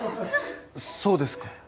そうですか？